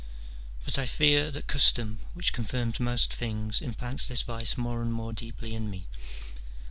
But I fear that custom, which confirms most things, implants this vice more and more deeply in me.